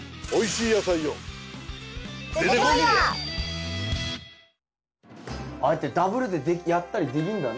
ええ。ああやってダブルでやったりできんだね。